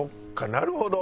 なるほど。